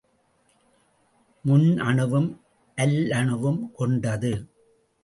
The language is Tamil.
முன்னணுவும் அல்லணுவும் கொண்டது.